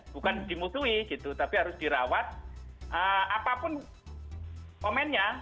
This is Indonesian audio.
bukan dimutui gitu tapi harus dirawat apapun komennya